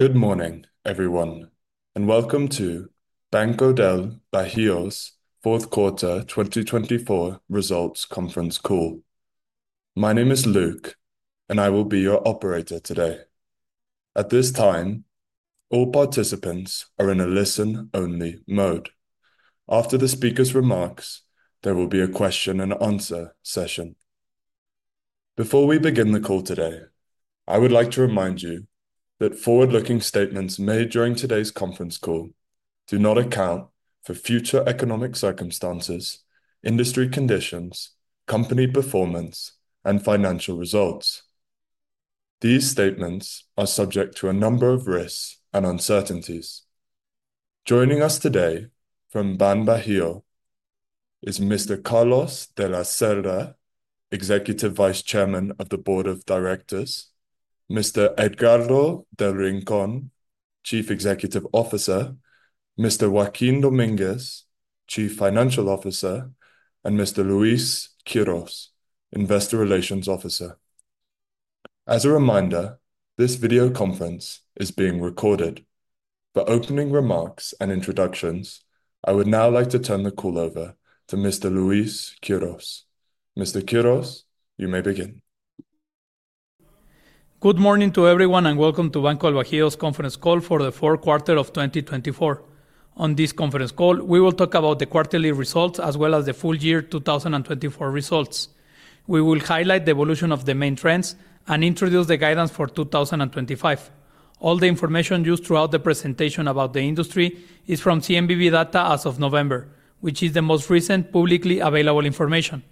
Good morning, everyone, and welcome to Banco del Bajío S.A. 2024 results conference call. My name is Luke, and I will be your operator today. At this time, all participants are in a listen-only mode. After the speakers' remarks, there will be a question-and-answer session. Before we begin the call today, I would like to remind you that forward-looking statements made during today's conference call do not account for future economic circumstances, industry conditions, company performance, and financial results. These statements are subject to a number of risks and uncertainties. Joining us today from BanBajío is Mr. Carlos de la Cerda, Executive Vice Chairman of the Board of Directors, Mr. Edgardo del Rincón, Chief Executive Officer, Mr. Joaquín Domínguez, Chief Financial Officer, and Mr. Luis Quiroz, Investor Relations Officer. As a reminder, this video conference is being recorded. For opening remarks and introductions, I would now like to turn the call over to Mr. Luis Quiroz. Mr. Quiroz, you may begin. Good morning to everyone, and welcome to Banco del Bajío's conference call for the fourth quarter of 2024. On this conference call, we will talk about the quarterly results as well as the full-year 2024 results. We will highlight the evolution of the main trends and introduce the guidance for 2025. All the information used throughout the presentation about the industry is from CNBV data as of November, which is the most recent publicly available information.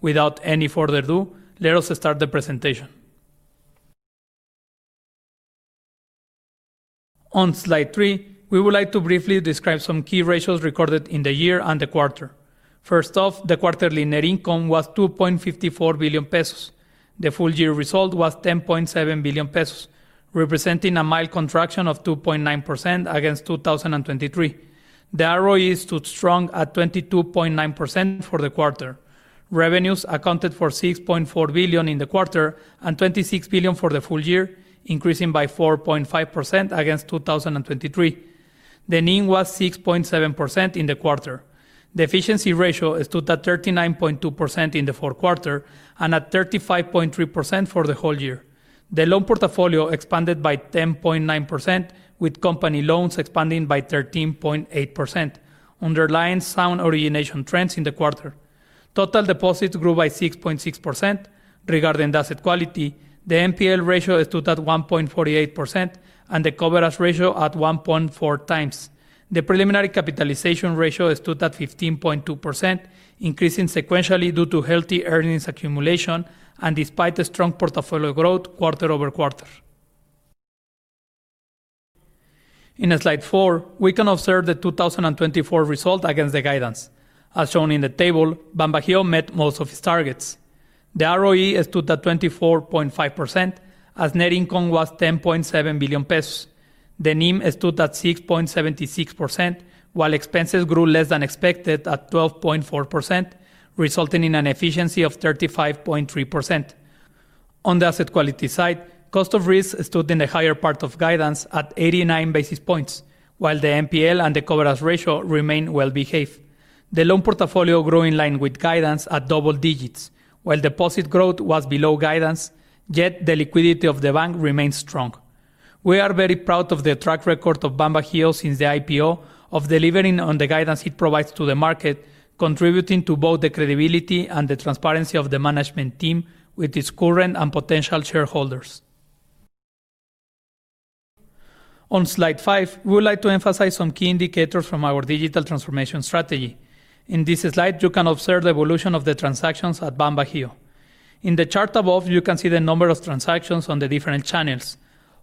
Without any further ado, let us start the presentation. On slide three, we would like to briefly describe some key ratios recorded in the year and the quarter. First off, the quarterly net income was 2.54 billion pesos. The full-year result was 10.7 billion pesos, representing a mild contraction of 2.9% against 2023. The ROE stood strong at 22.9% for the quarter. Revenues accounted for 6.4 billion in the quarter and 26 billion for the full year, increasing by 4.5% against 2023. The NIM was 6.7% in the quarter. The efficiency ratio stood at 39.2% in the fourth quarter and at 35.3% for the whole year. The loan portfolio expanded by 10.9%, with company loans expanding by 13.8%, underlying sound origination trends in the quarter. Total deposits grew by 6.6%. Regarding asset quality, the NPL ratio stood at 1.48% and the coverage ratio at 1.4 times. The preliminary capitalization ratio stood at 15.2%, increasing sequentially due to healthy earnings accumulation and despite the strong portfolio growth quarter over quarter. In slide four, we can observe the 2024 result against the guidance. As shown in the table, BanBajío met most of its targets. The ROE stood at 24.5%, as net income was 10.7 billion pesos. The NIM stood at 6.76%, while expenses grew less than expected at 12.4%, resulting in an efficiency of 35.3%. On the asset quality side, cost of risk stood in the higher part of guidance at 89 basis points, while the NPL and the coverage ratio remained well-behaved. The loan portfolio grew in line with guidance at double digits, while deposit growth was below guidance, yet the liquidity of the bank remained strong. We are very proud of the track record of BanBajío since the IPO, of delivering on the guidance it provides to the market, contributing to both the credibility and the transparency of the management team with its current and potential shareholders. On slide five, we would like to emphasize some key indicators from our digital transformation strategy. In this slide, you can observe the evolution of the transactions at BanBajío. In the chart above, you can see the number of transactions on the different channels.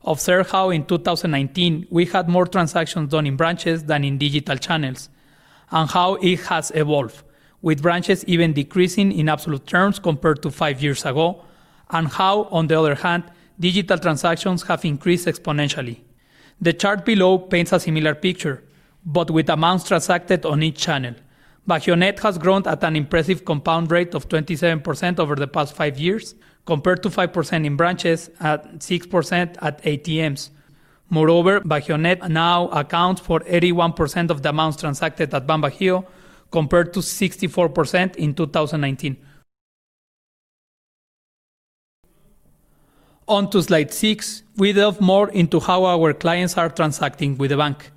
Observe how in 2019 we had more transactions done in branches than in digital channels, and how it has evolved, with branches even decreasing in absolute terms compared to five years ago, and how, on the other hand, digital transactions have increased exponentially. The chart below paints a similar picture, but with amounts transacted on each channel. BajíoNet has grown at an impressive compound rate of 27% over the past five years, compared to 5% in branches and 6% at ATMs. Moreover, BajíoNet now accounts for 81% of the amounts transacted at BanBajío, compared to 64% in 2019. Onto slide six, we delve more into how our clients are transacting with the bank.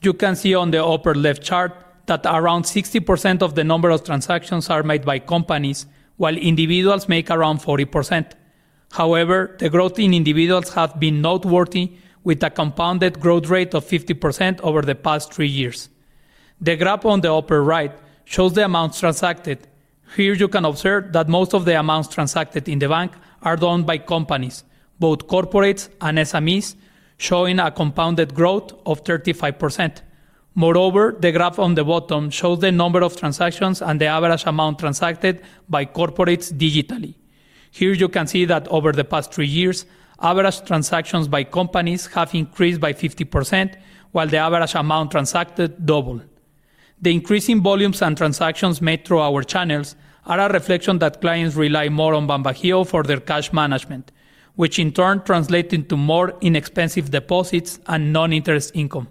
You can see on the upper left chart that around 60% of the number of transactions are made by companies, while individuals make around 40%. However, the growth in individuals has been noteworthy, with a compounded growth rate of 50% over the past three years. The graph on the upper right shows the amounts transacted. Here you can observe that most of the amounts transacted in the bank are done by companies, both corporates and SMEs, showing a compounded growth of 35%. Moreover, the graph on the bottom shows the number of transactions and the average amount transacted by corporates digitally. Here you can see that over the past three years, average transactions by companies have increased by 50%, while the average amount transacted doubled. The increasing volumes and transactions made through our channels are a reflection that clients rely more on BanBajío for their cash management, which in turn translates into more inexpensive deposits and non-interest income.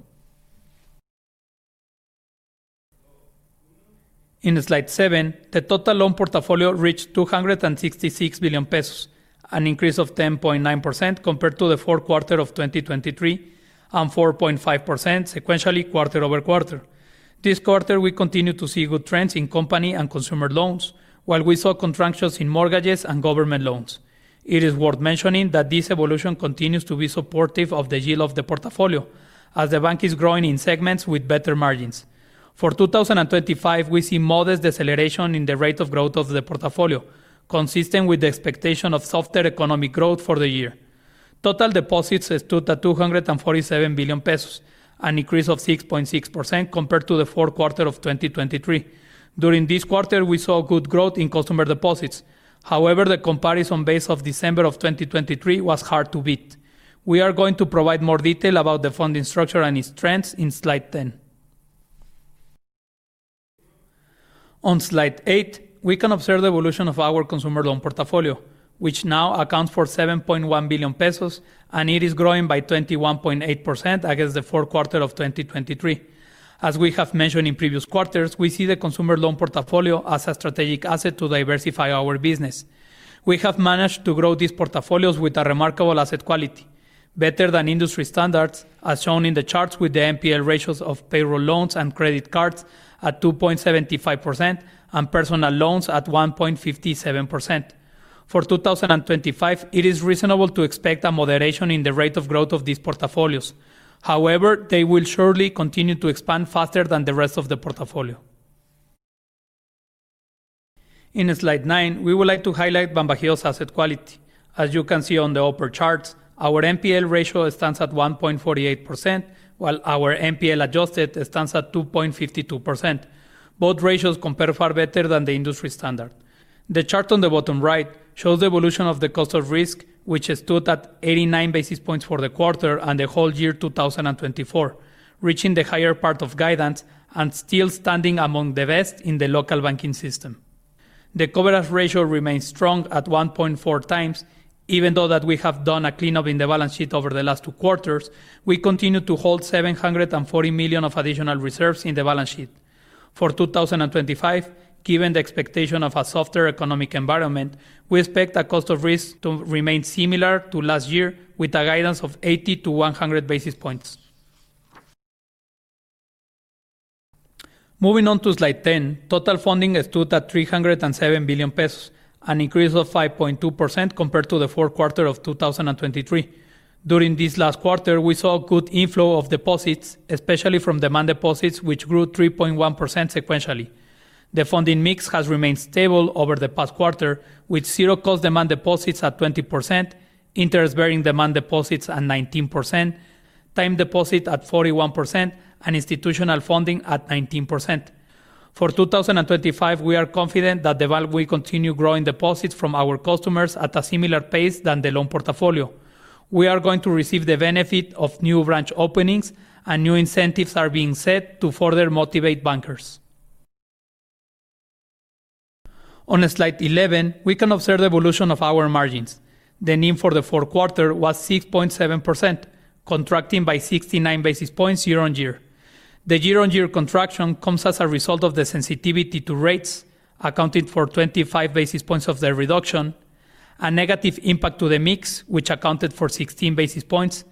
In slide seven, the total loan portfolio reached 266 billion pesos, an increase of 10.9% compared to the fourth quarter of 2023, and 4.5% sequentially quarter over quarter. This quarter, we continue to see good trends in company and consumer loans, while we saw contractions in mortgages and government loans. It is worth mentioning that this evolution continues to be supportive of the yield of the portfolio, as the bank is growing in segments with better margins. For 2025, we see modest deceleration in the rate of growth of the portfolio, consistent with the expectation of softer economic growth for the year. Total deposits stood at 247 billion pesos, an increase of 6.6% compared to the fourth quarter of 2023. During this quarter, we saw good growth in customer deposits. However, the comparison base of December of 2023 was hard to beat. We are going to provide more detail about the funding structure and its trends in slide 10. On slide eight, we can observe the evolution of our consumer loan portfolio, which now accounts for 7.1 billion pesos, and it is growing by 21.8% against the fourth quarter of 2023. As we have mentioned in previous quarters, we see the consumer loan portfolio as a strategic asset to diversify our business. We have managed to grow these portfolios with a remarkable asset quality, better than industry standards, as shown in the charts with the NPL ratios of payroll loans and credit cards at 2.75% and personal loans at 1.57%. For 2025, it is reasonable to expect a moderation in the rate of growth of these portfolios. However, they will surely continue to expand faster than the rest of the portfolio. In slide nine, we would like to highlight BanBajío's asset quality. As you can see on the upper charts, our NPL ratio stands at 1.48%, while our NPL adjusted stands at 2.52%. Both ratios compare far better than the industry standard. The chart on the bottom right shows the evolution of the cost of risk, which stood at 89 basis points for the quarter and the whole year 2024, reaching the higher part of guidance and still standing among the best in the local banking system. The coverage ratio remains strong at 1.4 times. Even though we have done a cleanup in the balance sheet over the last two quarters, we continue to hold 740 million of additional reserves in the balance sheet. For 2025, given the expectation of a softer economic environment, we expect the cost of risk to remain similar to last year, with a guidance of 80 to 100 basis points. Moving on to slide 10, total funding stood at 307 billion pesos, an increase of 5.2% compared to the fourth quarter of 2023. During this last quarter, we saw good inflow of deposits, especially from demand deposits, which grew 3.1% sequentially. The funding mix has remained stable over the past quarter, with zero-cost demand deposits at 20%, interest-bearing demand deposits at 19%, time deposits at 41%, and institutional funding at 19%. For 2025, we are confident that the bank will continue growing deposits from our customers at a similar pace than the loan portfolio. We are going to receive the benefit of new branch openings, and new incentives are being set to further motivate bankers. On slide 11, we can observe the evolution of our margins. The NIM for the fourth quarter was 6.7%, contracting by 69 basis points year on year. The year-on-year contraction comes as a result of the sensitivity to rates, accounting for 25 basis points of the reduction, a negative impact to the mix, which accounted for 16 basis points,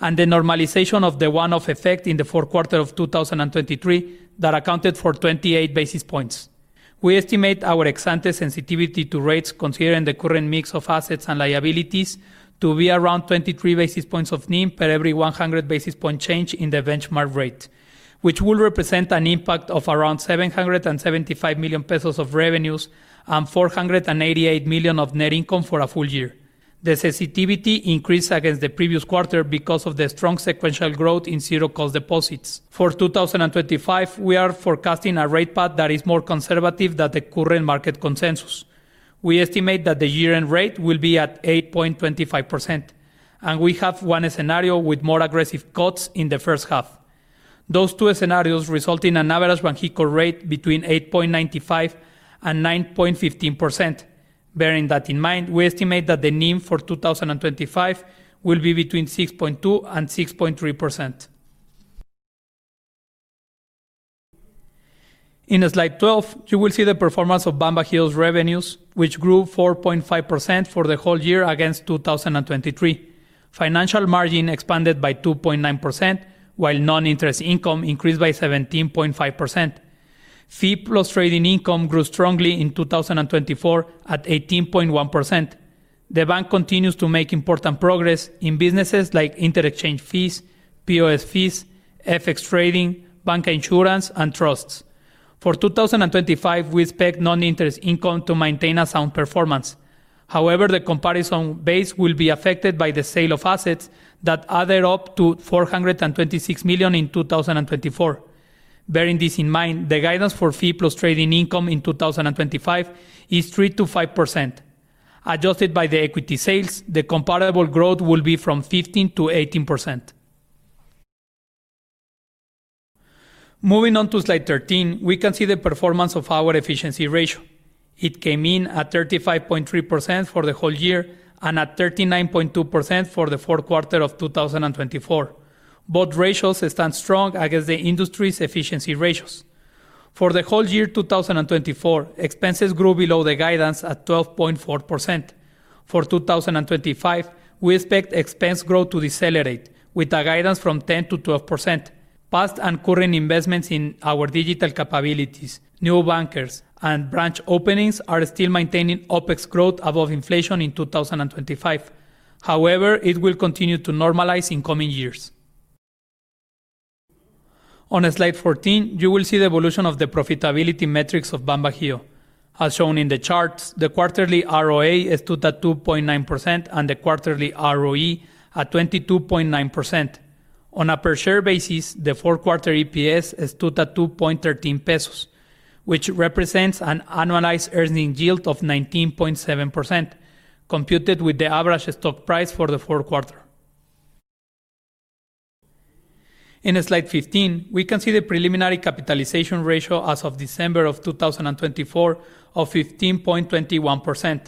and the normalization of the one-off effect in the fourth quarter of 2023 that accounted for 28 basis points. We estimate our asset sensitivity to rates, considering the current mix of assets and liabilities, to be around 23 basis points of NIM for every 100 basis point change in the benchmark rate, which will represent an impact of around 775 million pesos of revenues and 488 million of net income for a full year. The sensitivity increased against the previous quarter because of the strong sequential growth in zero-cost deposits. For 2025, we are forecasting a rate path that is more conservative than the current market consensus. We estimate that the year-end rate will be at 8.25%, and we have one scenario with more aggressive cuts in the first half. Those two scenarios result in an average banking core rate between 8.95% and 9.15%. Bearing that in mind, we estimate that the NIM for 2025 will be between 6.2% and 6.3%. In slide 12, you will see the performance of BanBajío's revenues, which grew 4.5% for the whole year against 2023. Financial margin expanded by 2.9%, while non-interest income increased by 17.5%. Fee plus trading income grew strongly in 2024 at 18.1%. The bank continues to make important progress in businesses like interchange fees, POS fees, FX trading, bank insurance, and trusts. For 2025, we expect non-interest income to maintain a sound performance. However, the comparison base will be affected by the sale of assets that added up to 426 million in 2024. Bearing this in mind, the guidance for fee plus trading income in 2025 is 3%-5%. Adjusted by the equity sales, the comparable growth will be from 15%-18%. Moving on to slide 13, we can see the performance of our efficiency ratio. It came in at 35.3% for the whole year and at 39.2% for the fourth quarter of 2024. Both ratios stand strong against the industry's efficiency ratios. For the whole year 2024, expenses grew below the guidance at 12.4%. For 2025, we expect expense growth to decelerate with a guidance from 10%-12%. Past and current investments in our digital capabilities, new bankers, and branch openings are still maintaining OPEX growth above inflation in 2025. However, it will continue to normalize in coming years. On slide 14, you will see the evolution of the profitability metrics of BanBajío. As shown in the charts, the quarterly ROA stood at 2.9% and the quarterly ROE at 22.9%. On a per-share basis, the fourth quarter EPS stood at 2.13 pesos, which represents an annualized earnings yield of 19.7%, computed with the average stock price for the fourth quarter. In slide 15, we can see the preliminary capitalization ratio as of December of 2024 of 15.21%,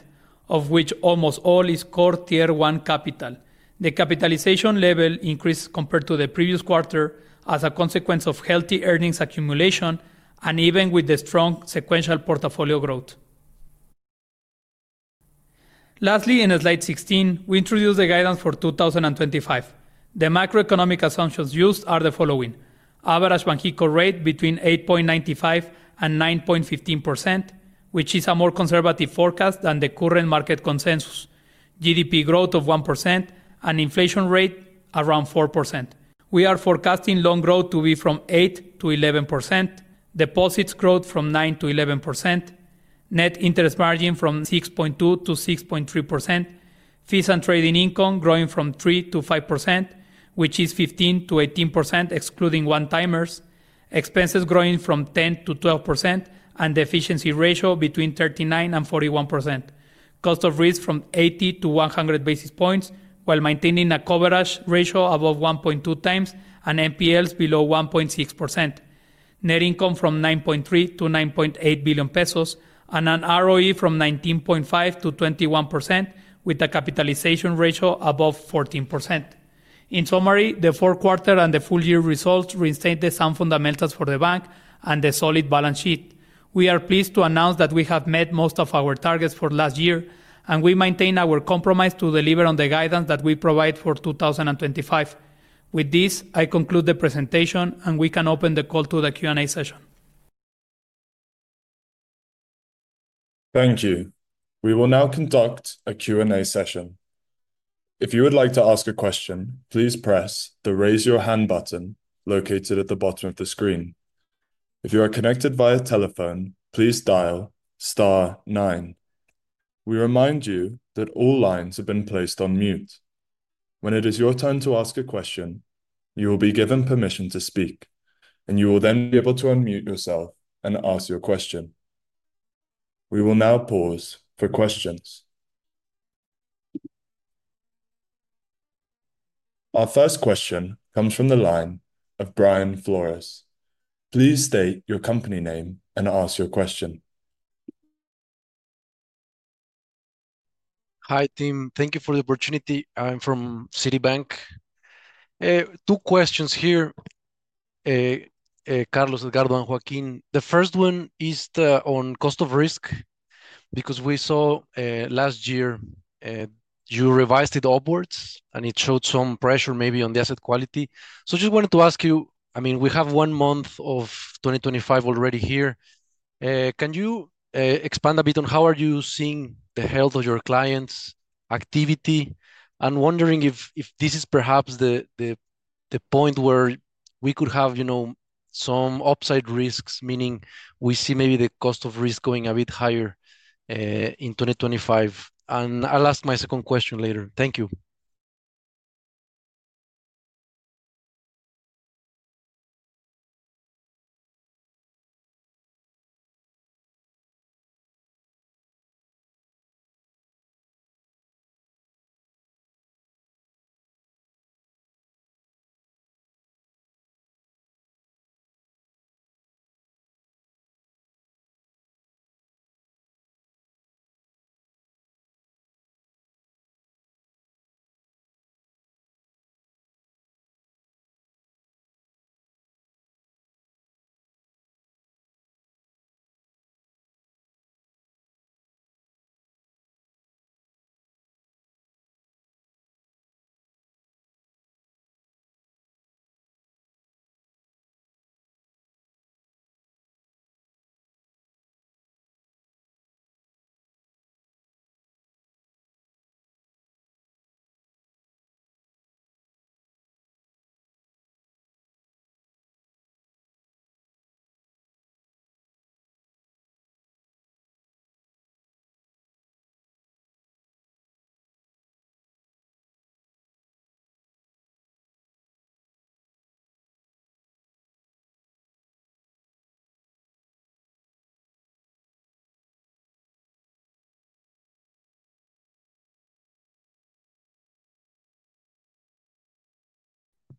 of which almost all is Core Tier 1 Capital. The capitalization level increased compared to the previous quarter as a consequence of healthy earnings accumulation and even with the strong sequential portfolio growth. Lastly, in slide 16, we introduce the guidance for 2025. The macroeconomic assumptions used are the following: average banking core rate between 8.95%-9.15%, which is a more conservative forecast than the current market consensus, GDP growth of 1%, and inflation rate around 4%. We are forecasting loan growth to be 8%-11%, deposits growth 9%-11%, net interest margin 6.2%-6.3%, fees and trading income growing 3%-5%, which is 15%-18% excluding one-timers, expenses growing 10%-12%, and the efficiency ratio between 39% and 41%, cost of risk 80-100 basis points, while maintaining a coverage ratio above 1.2 times and NPLs below 1.6%, net income 9.3 billion-9.8 billion pesos, and an ROE 19.5%-21%, with a capitalization ratio above 14%. In summary, the fourth quarter and the full year results reinstate the sound fundamentals for the bank and the solid balance sheet. We are pleased to announce that we have met most of our targets for last year, and we maintain our commitment to deliver on the guidance that we provide for 2025. With this, I conclude the presentation, and we can open the call to the Q&A session. Thank you. We will now conduct a Q&A session. If you would like to ask a question, please press the raise your hand button located at the bottom of the screen. If you are connected via telephone, please dial star nine. We remind you that all lines have been placed on mute. When it is your turn to ask a question, you will be given permission to speak, and you will then be able to unmute yourself and ask your question. We will now pause for questions. Our first question comes from the line of Brian Flores. Please state your company name and ask your question. Hi team, thank you for the opportunity. I'm from Citibank. Two questions here, Carlos, Edgardo, and Joaquín. The first one is on cost of risk because we saw last year you revised it upwards and it showed some pressure maybe on the asset quality. So I just wanted to ask you, I mean, we have one month of 2025 already here. Can you expand a bit on how are you seeing the health of your clients' activity? I'm wondering if this is perhaps the point where we could have, you know, some upside risks, meaning we see maybe the cost of risk going a bit higher in 2025. And I'll ask my second question later. Thank you.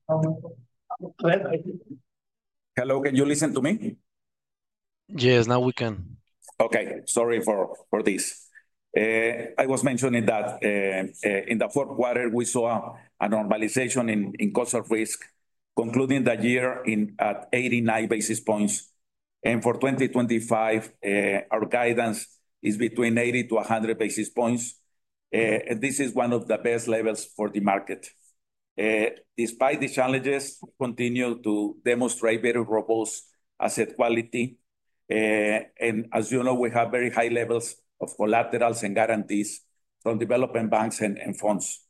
Hello, can you listen to me? Yes, now we can. Okay, sorry for this. I was mentioning that in the fourth quarter, we saw a normalization in cost of risk, concluding the year at 89 basis points. And for 2025, our guidance is between 80 to 100 basis points. This is one of the best levels for the market. Despite the challenges, we continue to demonstrate very robust asset quality, and as you know, we have very high levels of collaterals and guarantees from development banks and funds.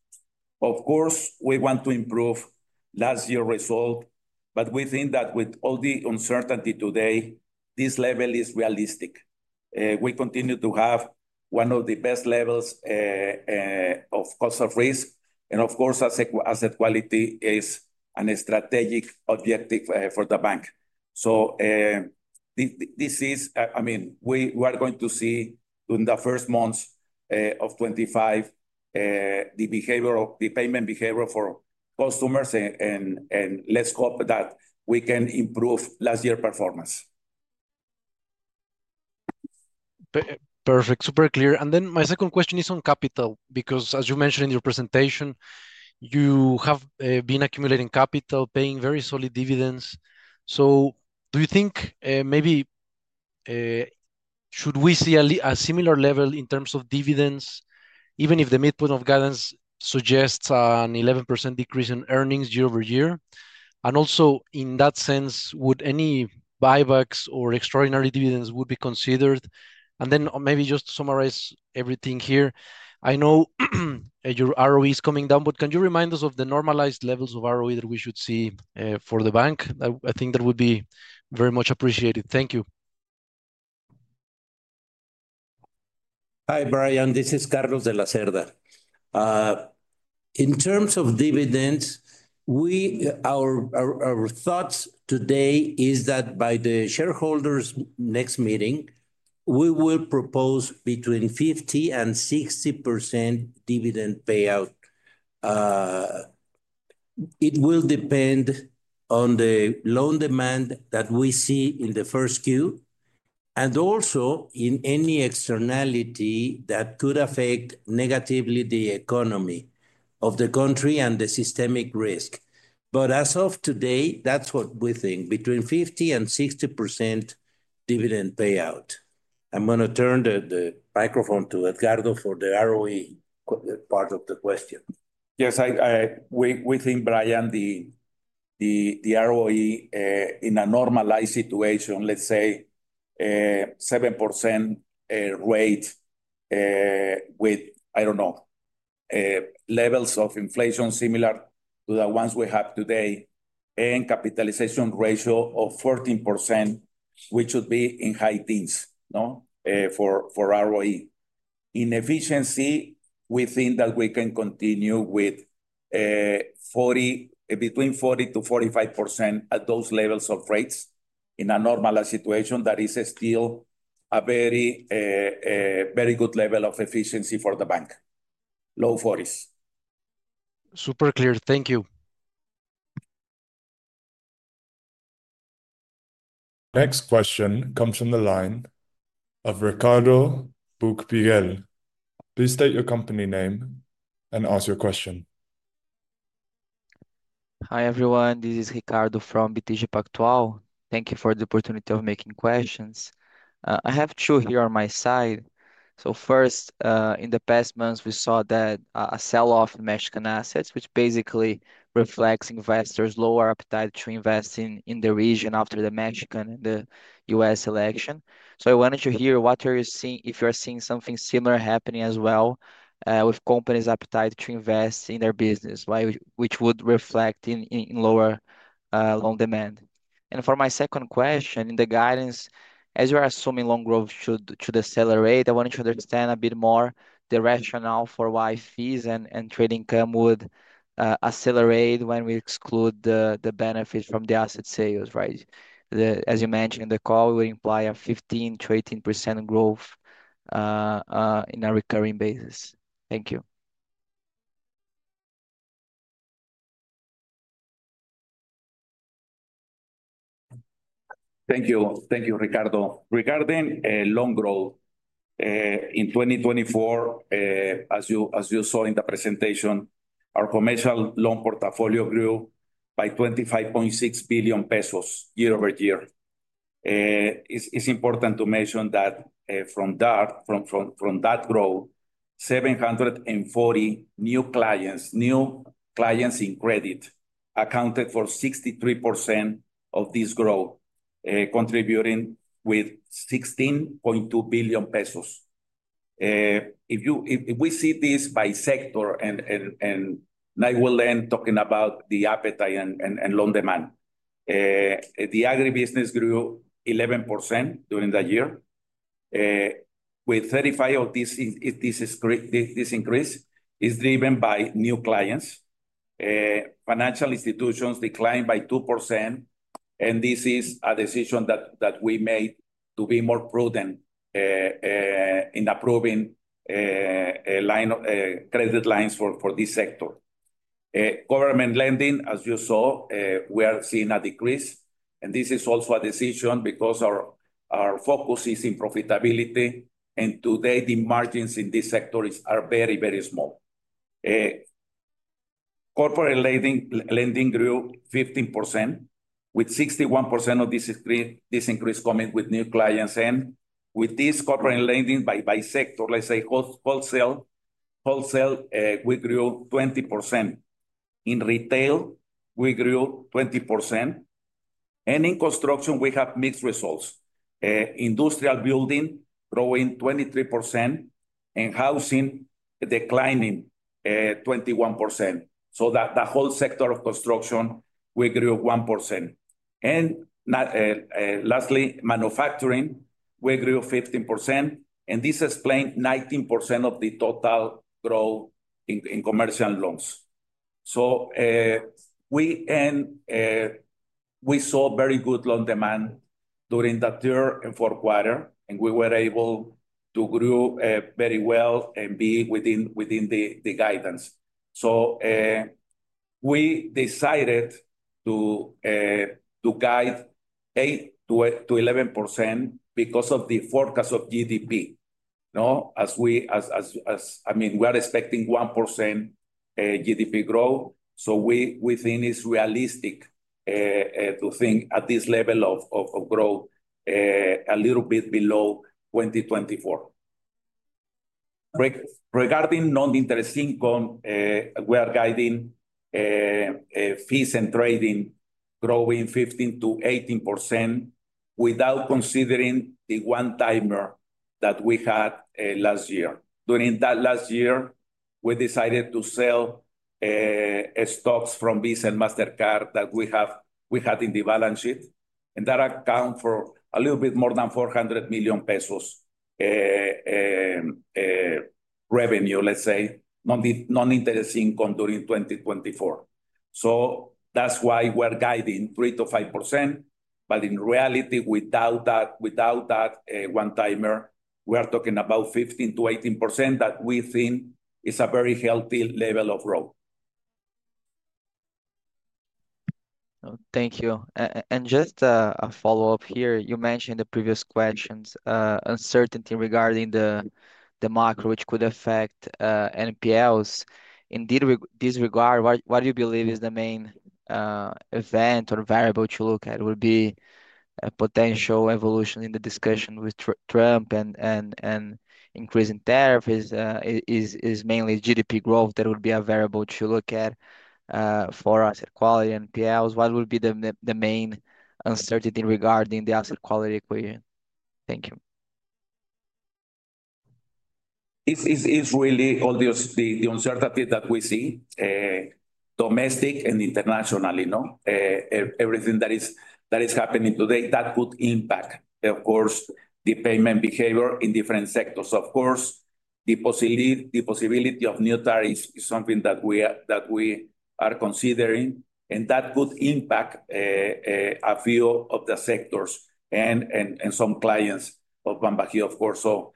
Of course, we want to improve last year's result, but we think that with all the uncertainty today, this level is realistic. We continue to have one of the best levels of cost of risk, and of course, asset quality is a strategic objective for the bank, so this is, I mean, we are going to see in the first months of 2025 the payment behavior of customers, and let's hope that we can improve last year's performance. Perfect, super clear, and then my second question is on capital because, as you mentioned in your presentation, you have been accumulating capital, paying very solid dividends. So do you think maybe should we see a similar level in terms of dividends, even if the midpoint of guidance suggests an 11% decrease in earnings year over year? And also in that sense, would any buybacks or extraordinary dividends be considered? And then maybe just to summarize everything here, I know your ROE is coming down, but can you remind us of the normalized levels of ROE that we should see for the bank? I think that would be very much appreciated. Thank you. Hi Brian, this is Carlos de la Cerda. In terms of dividends, our thoughts today are that by the shareholders' next meeting, we will propose between 50% and 60% dividend payout. It will depend on the loan demand that we see in the first Q and also in any externality that could affect negatively the economy of the country and the systemic risk. But as of today, that's what we think: between 50% and 60% dividend payout. I'm going to turn the microphone to Edgardo for the ROE part of the question. Yes, we think, Brian, the ROE in a normalized situation, let's say 7% rate, with, I don't know, levels of inflation similar to the ones we have today and capitalization ratio of 14%, we should be in high teens, no? For ROE. In efficiency, we think that we can continue with between 40%-45% at those levels of rates in a normalized situation that is still a very good level of efficiency for the bank, low 40s. Super clear, thank you. Next question comes from the line of Ricardo Buchpiguel. Please state your company name and ask your question. Hi everyone, this is Ricardo from BTG Pactual. Thank you for the opportunity of making questions. I have two here on my side. So first, in the past months, we saw a sell-off in Mexican assets, which basically reflects investors' lower appetite to invest in the region after the Mexican and the U.S. election. So I wanted to hear what you're seeing if you're seeing something similar happening as well with companies' appetite to invest in their business, which would reflect in lower loan demand. And for my second question, in the guidance, as you are assuming loan growth should accelerate, I wanted to understand a bit more the rationale for why fees and trade income would accelerate when we exclude the benefits from the asset sales, right? As you mentioned in the call, it would imply a 15%-18% growth on a recurring basis. Thank you. Thank you, thank you, Ricardo. Regarding loan growth, in 2024, as you saw in the presentation, our commercial loan portfolio grew by 25.6 billion pesos year over year. It's important to mention that from that growth, 740 new clients, new clients in credit, accounted for 63% of this growth, contributing with 16.2 billion pesos. If we see this by sector, and I will end talking about the appetite and loan demand, the agribusiness grew 11% during the year. With 35% of this, this increase is driven by new clients. Financial institutions declined by 2%, and this is a decision that we made to be more prudent in approving credit lines for this sector. Government lending, as you saw, we are seeing a decrease, and this is also a decision because our focus is in profitability, and today, the margins in this sector are very, very small. Corporate lending grew 15%, with 61% of this increase coming with new clients. And with this corporate lending by sector, let's say wholesale, we grew 20%. In retail, we grew 20%. And in construction, we have mixed results. Industrial building growing 23% and housing declining 21%. So the whole sector of construction, we grew 1%. And lastly, manufacturing, we grew 15%. And this explained 19% of the total growth in commercial loans. So we saw very good loan demand during the third and fourth quarter, and we were able to grow very well and be within the guidance. So we decided to guide 8%-11% because of the forecast of GDP. As I mean, we are expecting 1% GDP growth. So we think it's realistic to think at this level of growth a little bit below 2024. Regarding non-interest income, we are guiding fees and trading growing 15%-18% without considering the one-timer that we had last year. During that last year, we decided to sell stocks from Visa and Mastercard that we had in the balance sheet. And that accounts for a little bit more than 400 million pesos revenue, let's say, non-interest income during 2024. So that's why we're guiding 3%-5%. But in reality, without that one-timer, we are talking about 15%-18% that we think is a very healthy level of growth. Thank you. And just a follow-up here. You mentioned in the previous questions uncertainty regarding the macro, which could affect NPLs. In this regard, what do you believe is the main event or variable to look at would be a potential evolution in the discussion with Trump and increasing tariffs? Is mainly GDP growth that would be a variable to look at for asset quality and NPLs? What would be the main uncertainty regarding the asset quality equation? Thank you. It's really obvious. The uncertainty that we see, domestic and internationally, everything that is happening today that could impact, of course, the payment behavior in different sectors. Of course, the possibility of new tariffs is something that we are considering, and that could impact a few of the sectors and some clients of BanBajío, of course. So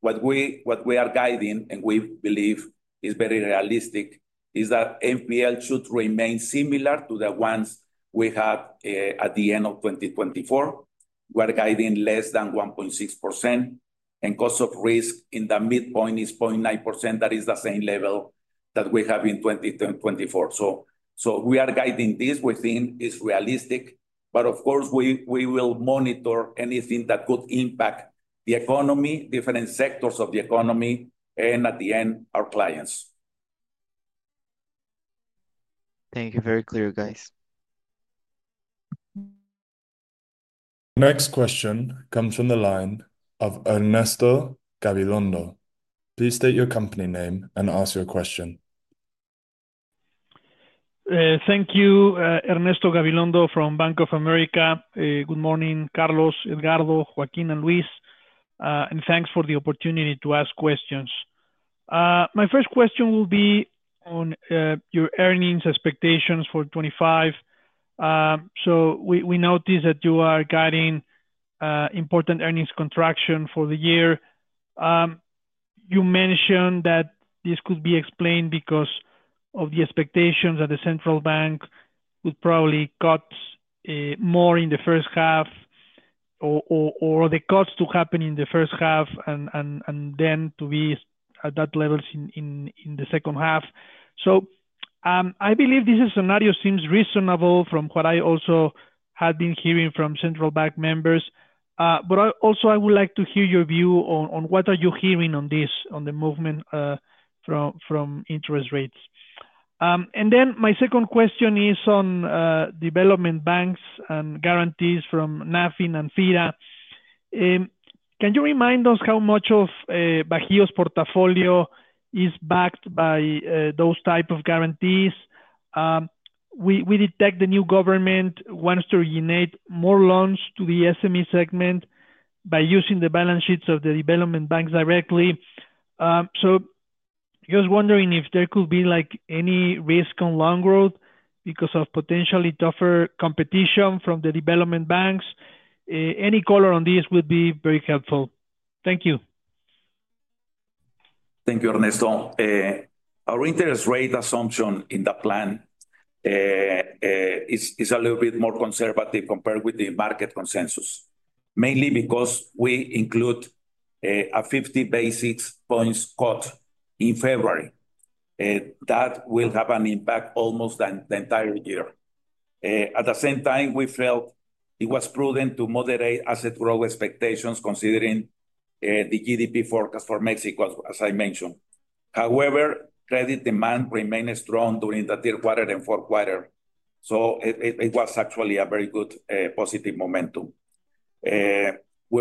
what we are guiding and we believe is very realistic is that NPL should remain similar to the ones we had at the end of 2024. We are guiding less than 1.6%. And cost of risk in the midpoint is 0.9%. That is the same level that we have in 2024. So we are guiding this. We think it's realistic. But of course, we will monitor anything that could impact the economy, different sectors of the economy, and at the end, our clients. Thank you. Very clear, guys. Next question comes from the line of Ernesto Gabilondo. Please state your company name and ask your question. Thank you, Ernesto Gabilondo from Bank of America. Good morning, Carlos, Edgardo, Joaquín, and Luis. And thanks for the opportunity to ask questions. My first question will be on your earnings expectations for 2025. So we notice that you are guiding important earnings contraction for the year. You mentioned that this could be explained because of the expectations that the central bank would probably cut more in the first half or the cuts to happen in the first half and then to be at that levels in the second half. I believe this scenario seems reasonable from what I also had been hearing from central bank members. But also, I would like to hear your view on what are you hearing on this, on the movement from interest rates. And then my second question is on development banks and guarantees from NAFIN and FIRA. Can you remind us how much of Bajío's portfolio is backed by those types of guarantees? We detect the new government wants to reunite more loans to the SME segment by using the balance sheets of the development banks directly. So just wondering if there could be any risk on loan growth because of potentially tougher competition from the development banks. Any color on this would be very helpful. Thank you. Thank you, Ernesto. Our interest rate assumption in the plan is a little bit more conservative compared with the market consensus, mainly because we include a 50 basis points cut in February that will have an impact almost the entire year. At the same time, we felt it was prudent to moderate asset growth expectations considering the GDP forecast for Mexico, as I mentioned. However, credit demand remained strong during the third quarter and fourth quarter. So it was actually a very good positive momentum. We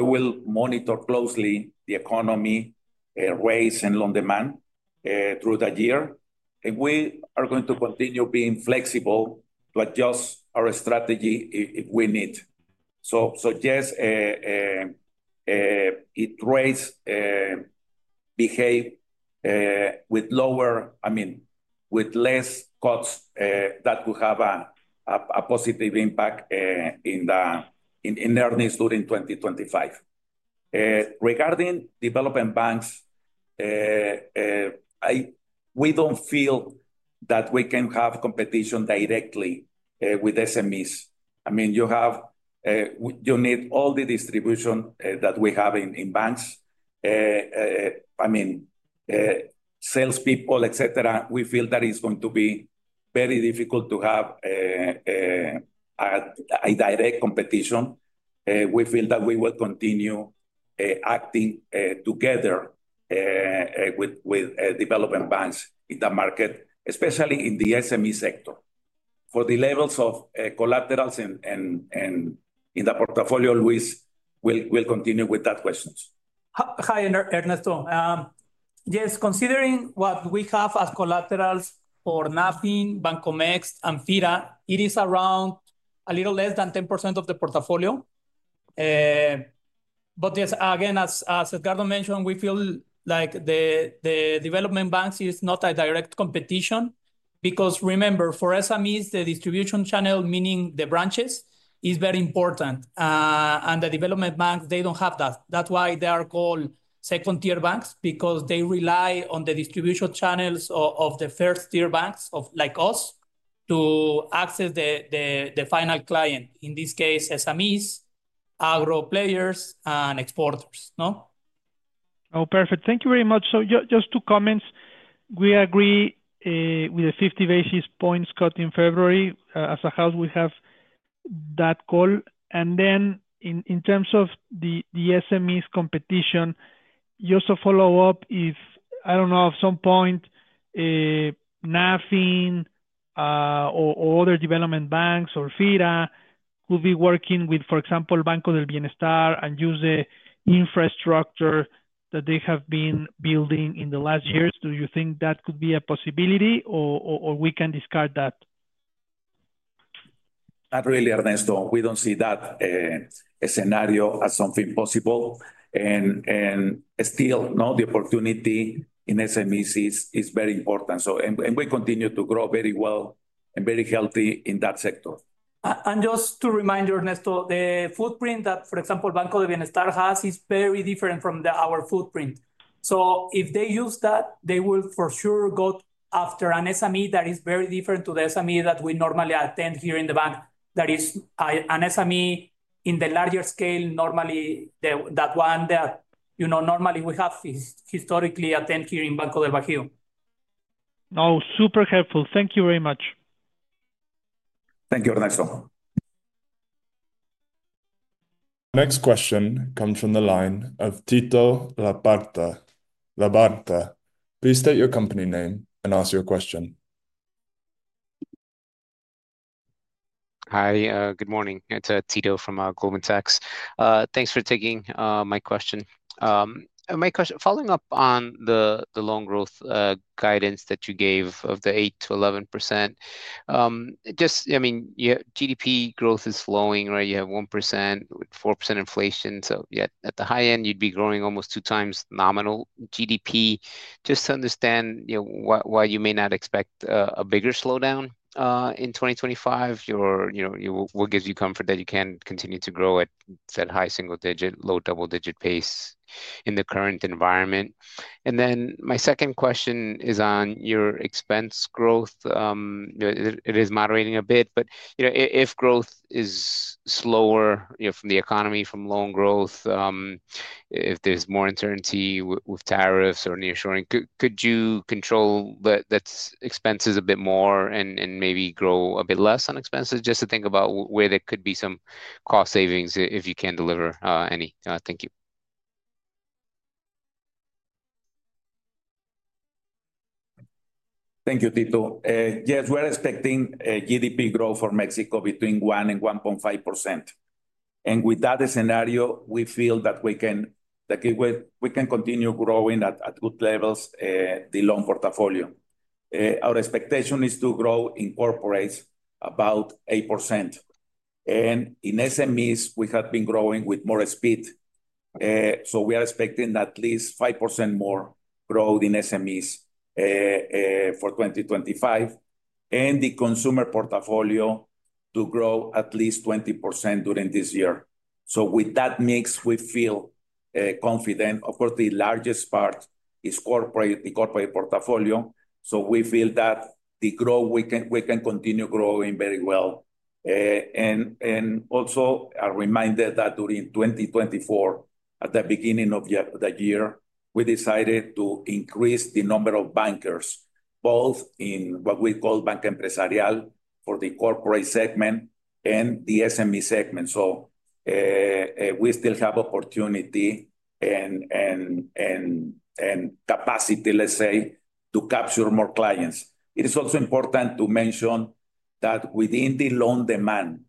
will monitor closely the economy rates and loan demand through the year. And we are going to continue being flexible to adjust our strategy if we need. Yes, interest rates behave with lower, I mean, with less cuts that could have a positive impact in earnings during 2025. Regarding development banks, we don't feel that we can have competition directly with SMEs. I mean, you need all the distribution that we have in banks. I mean, salespeople, et cetera, we feel that it's going to be very difficult to have a direct competition. We feel that we will continue acting together with development banks in the market, especially in the SME sector. For the levels of collaterals in the portfolio, Luis, we'll continue with that question. Hi, Ernesto. Yes, considering what we have as collaterals for NAFIN, Bancomext, and FIRA, it is around a little less than 10% of the portfolio. But yes, again, as Edgardo mentioned, we feel like the development banks is not a direct competition because remember, for SMEs, the distribution channel, meaning the branches, is very important. And the development banks, they don't have that. That's why they are called second-tier banks because they rely on the distribution channels of the first-tier banks like us to access the final client, in this case, SMEs, agro players, and exporters. Oh, perfect. Thank you very much. So just two comments. We agree with the 50 basis points cut in February. As a house, we have that call. And then in terms of the SMEs competition, just a follow-up is, I don't know, at some point, NAFIN or other development banks or FIRA could be working with, for example, Banco del Bienestar and use the infrastructure that they have been building in the last years. Do you think that could be a possibility or we can discard that? Not really, Ernesto. We don't see that scenario as something possible. And still, the opportunity in SMEs is very important. And we continue to grow very well and very healthy in that sector. And just to remind you, Ernesto, the footprint that, for example, Banco del Bienestar has is very different from our footprint. So if they use that, they will for sure go after an SME that is very different to the SME that we normally attend here in the bank. That is an SME in the larger scale, normally that one that normally we have historically attended here in Banco del Bajío. Oh, super helpful. Thank you very much. Thank you, Ernesto. Next question comes from the line of Tito Labarta. Please state your company name and ask your question. Hi, good morning. It's Tito from Goldman Sachs. Thanks for taking my question. Following up on the loan growth guidance that you gave of the 8%-11%, just, I mean, GDP growth is slowing, right? You have 1.4% inflation. So at the high end, you'd be growing almost two times nominal GDP. Just to understand why you may not expect a bigger slowdown in 2025, what gives you comfort that you can continue to grow at high single-digit, low double-digit pace in the current environment? And then my second question is on your expense growth. It is moderating a bit, but if growth is slower from the economy, from loan growth, if there's more uncertainty with tariffs or nearshoring, could you control the expenses a bit more and maybe grow a bit less on expenses? Just to think about where there could be some cost savings if you can deliver any. Thank you. Thank you, Tito. Yes, we're expecting GDP growth for Mexico between 1% and 1.5%, and with that scenario, we feel that we can continue growing at good levels, the loan portfolio. Our expectation is to grow in corporates about 8%, and in SMEs, we have been growing with more speed, so we are expecting at least 5% more growth in SMEs for 2025, and the consumer portfolio to grow at least 20% during this year, so with that mix, we feel confident. Of course, the largest part is the corporate portfolio, so we feel that the growth, we can continue growing very well, and also a reminder that during 2024, at the beginning of the year, we decided to increase the number of bankers, both in what we call Banca Empresarial for the corporate segment and the SME segment. So we still have opportunity and capacity, let's say, to capture more clients. It is also important to mention that within the loan demand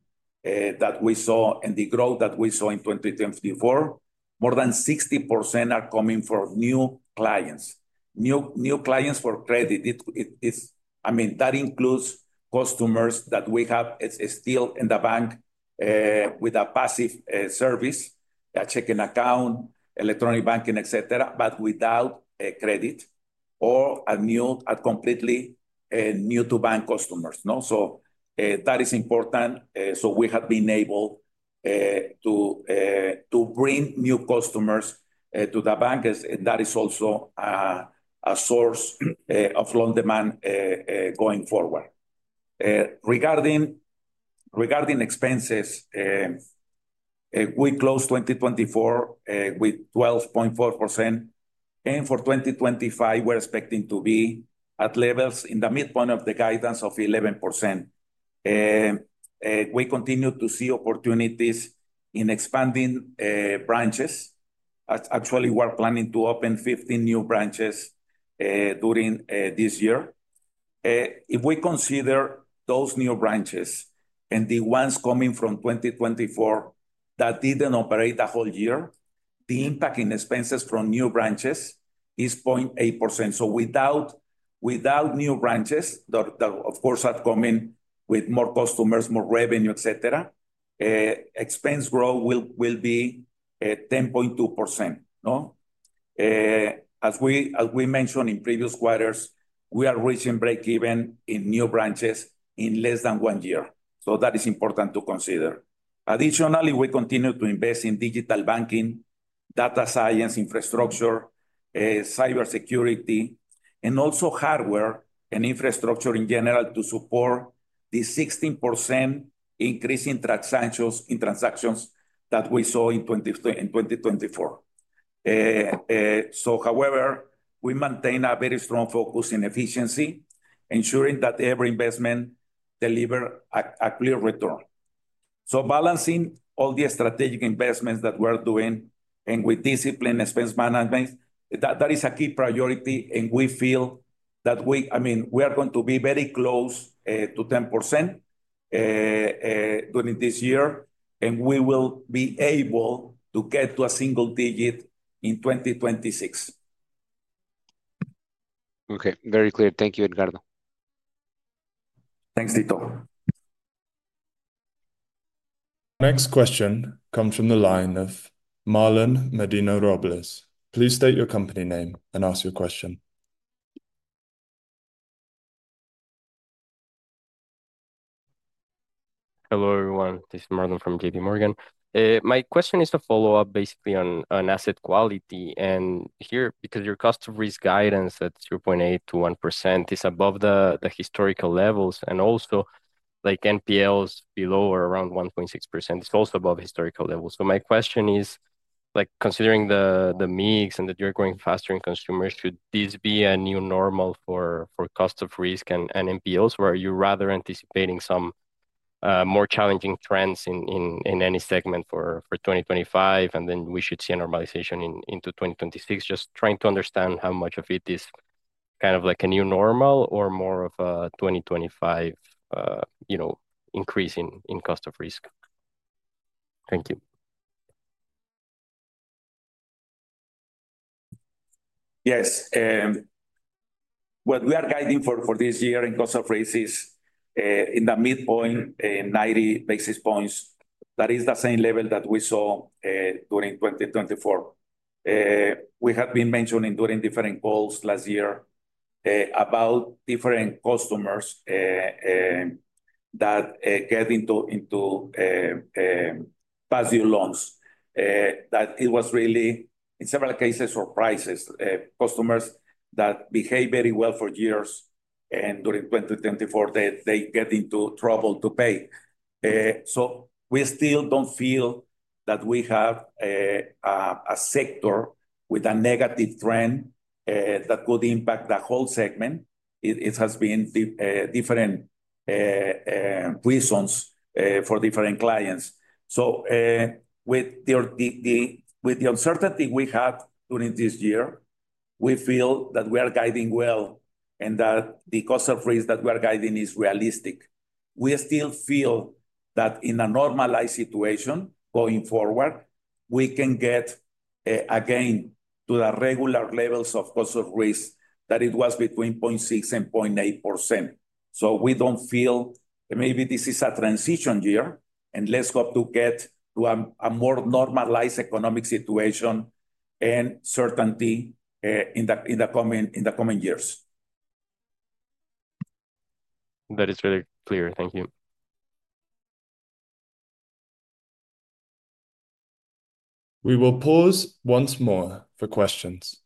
that we saw and the growth that we saw in 2024, more than 60% are coming for new clients. New clients for credit. I mean, that includes customers that we have still in the bank with a passive service, a checking account, electronic banking, et cetera, but without a credit or a completely new-to-bank customers. So that is important. So we have been able to bring new customers to the bank, and that is also a source of loan demand going forward. Regarding expenses, we closed 2024 with 12.4%. And for 2025, we're expecting to be at levels in the midpoint of the guidance of 11%. We continue to see opportunities in expanding branches. Actually, we're planning to open 15 new branches during this year. If we consider those new branches and the ones coming from 2024 that didn't operate the whole year, the impact in expenses from new branches is 0.8%. So without new branches, that, of course, are coming with more customers, more revenue, et cetera, expense growth will be 10.2%. As we mentioned in previous quarters, we are reaching break-even in new branches in less than one year. So that is important to consider. Additionally, we continue to invest in digital banking, data science, infrastructure, cybersecurity, and also hardware and infrastructure in general to support the 16% increase in transactions that we saw in 2024. So, however, we maintain a very strong focus in efficiency, ensuring that every investment delivers a clear return. So balancing all the strategic investments that we're doing and with discipline and expense management, that is a key priority. We feel that, I mean, we are going to be very close to 10% during this year, and we will be able to get to a single digit in 2026. ``Okay. Very clear. Thank you, Edgardo. Thanks, Tito. Next question comes from the line of Marlon Medina Robles. Please state your company name and ask your question. Hello, everyone. This is Marlon from JPMorgan. My question is to follow up basically on asset quality. And here, because your cost of risk guidance at 0.8%-1% is above the historical levels, and also NPLs below or around 1.6%, it's also above historical levels. So my question is, considering the mix and that you're growing faster in consumers, should this be a new normal for cost of risk and NPLs, or are you rather anticipating some more challenging trends in any segment for 2025, and then we should see a normalization into 2026? Just trying to understand how much of it is kind of like a new normal or more of a 2025 increase in cost of risk. Thank you. Yes. What we are guiding for this year in cost of risk is in the midpoint, 90 basis points. That is the same level that we saw during 2024. We have been mentioning during different calls last year about different customers that get into past due loans, that it was really, in several cases, surprises, customers that behave very well for years, and during 2024, they get into trouble to pay. So we still don't feel that we have a sector with a negative trend that could impact the whole segment. It has been different reasons for different clients. So with the uncertainty we have during this year, we feel that we are guiding well and that the cost of risk that we are guiding is realistic. We still feel that in a normalized situation going forward, we can get again to the regular levels of cost of risk that it was between 0.6% and 0.8%. So we don't feel that maybe this is a transition year, and let's hope to get to a more normalized economic situation and certainty in the coming years. That is very clear. Thank you. We will pause once more for questions.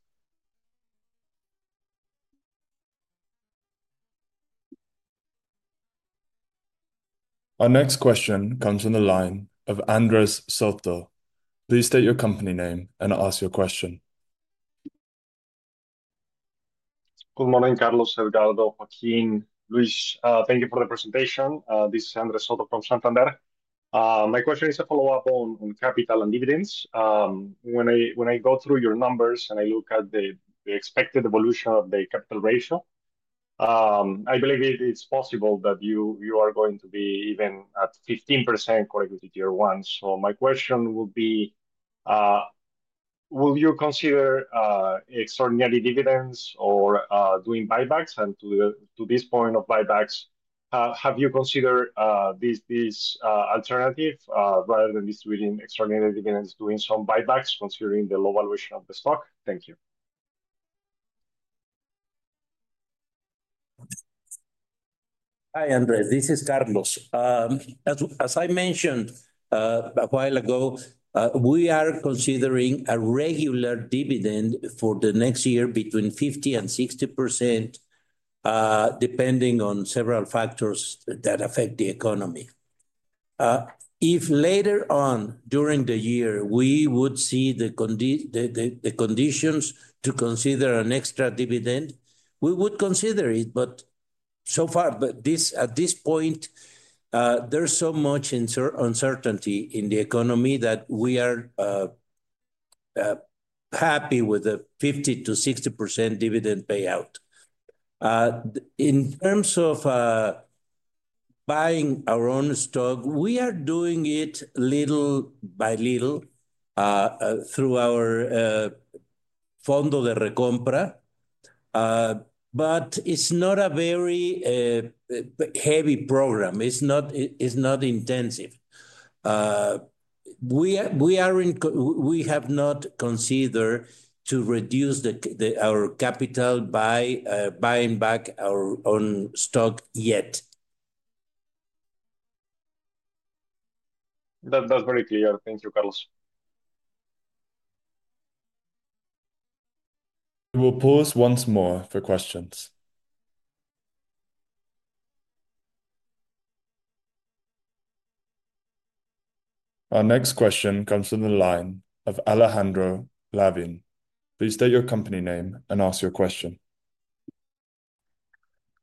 Our next question comes from the line of Andres Soto. Please state your company name and ask your question. Good morning, Carlos, Edgardo, Joaquín, Luis. Thank you for the presentation. This is Andres Soto from Santander. My question is a follow-up on capital and dividends. When I go through your numbers and I look at the expected evolution of the capital ratio, I believe it's possible that you are going to be even at 15% correct with the Tier 1. So my question would be, will you consider extraordinary dividends or doing buybacks? And to this point of buybacks, have you considered this alternative rather than distributing extraordinary dividends, doing some buybacks, considering the low valuation of the stock? Thank you. Hi, Andres. This is Carlos. As I mentioned a while ago, we are considering a regular dividend for the next year between 50% and 60%, depending on several factors that affect the economy. If later on during the year, we would see the conditions to consider an extra dividend, we would consider it. But so far, at this point, there's so much uncertainty in the economy that we are happy with a 50%-60% dividend payout. In terms of buying our own stock, we are doing it little by little through our Fondo de Recompra. But it's not a very heavy program. It's not intensive. We have not considered reducing our capital by buying back our own stock yet. That's very clear. Thank you, Carlos. We will pause once more for questions. Our next question comes from the line of Alejandro Lavín. Please state your company name and ask your question.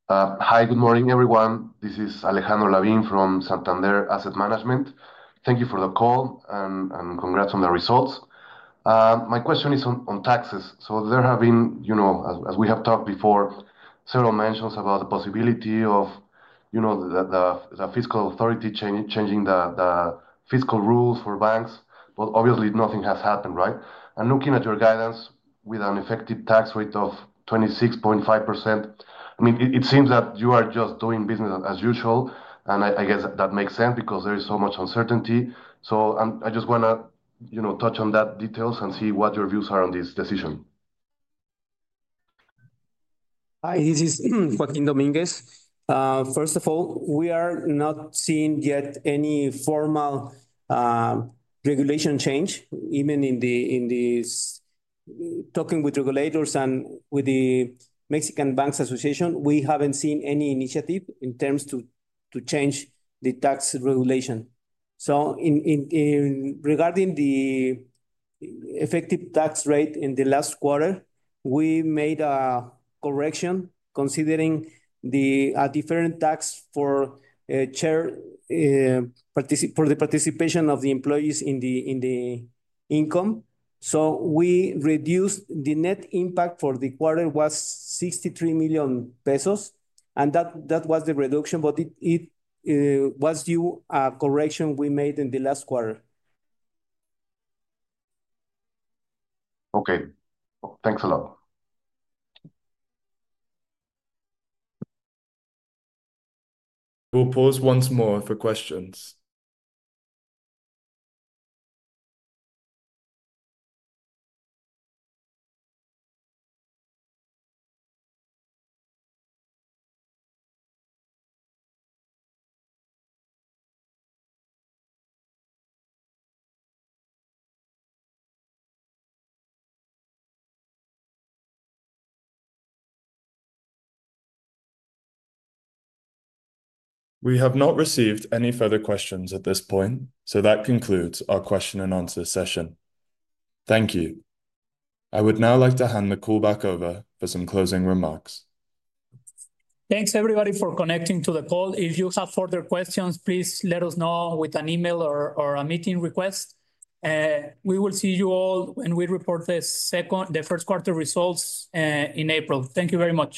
Hi, good morning, everyone. This is Alejandro Lavín from Santander Asset Management. Thank you for the call and congrats on the results. My question is on taxes. So there have been, as we have talked before, several mentions about the possibility of the fiscal authority changing the fiscal rules for banks. But obviously, nothing has happened, right? And looking at your guidance with an effective tax rate of 26.5%, I mean, it seems that you are just doing business as usual. And I guess that makes sense because there is so much uncertainty. So I just want to touch on that details and see what your views are on this decision. Hi, this is Joaquín Domínguez. First of all, we are not seeing yet any formal regulation change. Even in talking with regulators and with the Mexican Banks Association, we haven't seen any initiative in terms to change the tax regulation. Regarding the effective tax rate in the last quarter, we made a correction considering a different tax for the participation of the employees in the income. The reduced net impact for the quarter was 63 million pesos. That was the reduction, but it was due to a correction we made in the last quarter. Okay. Thanks a lot. We'll pause once more for questions. We have not received any further questions at this point. That concludes our question and answer session. Thank you. I would now like to hand the call back over for some closing remarks. Thanks, everybody, for connecting to the call. If you have further questions, please let us know with an email or a meeting request. We will see you all when we report the first quarter results in April. Thank you very much.